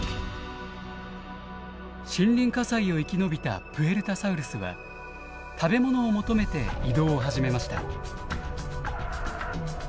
森林火災を生き延びたプエルタサウルスは食べ物を求めて移動を始めました。